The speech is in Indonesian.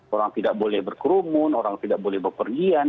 orang tidak boleh berkerumun orang tidak boleh berpergian